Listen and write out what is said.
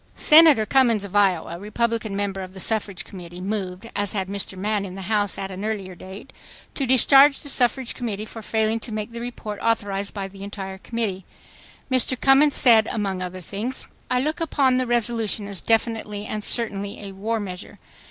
Senator Cummins of Iowa, Republican member of the Suffrage Committee, moved, as had Mr. Mann in the House at an earlier date, to discharge the Suffrage Committee for failing to make the report authorized by the entire Committee. Mr. Cummins said, among other things: "... I look upon the resolution as definitely and certainly a war measure.